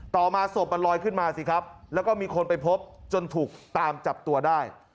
ต่อมาสบลอยขึ้นมาซี่ครับและมีคนไปพบจนถูกตามจับตัวได้